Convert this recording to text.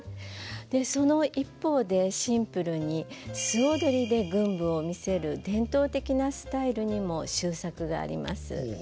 その一方でシンプルに素踊りで群舞を見せる伝統的なスタイルにも秀作があります。